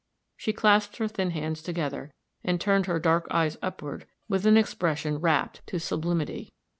She clasped her thin hands together, and turned her dark eyes upward with an expression rapt to sublimity.